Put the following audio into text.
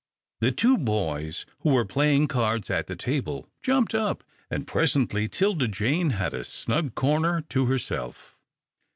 The two boys, who were playing cards at the table, jumped up, and presently 'Tilda Jane had a snug corner to herself.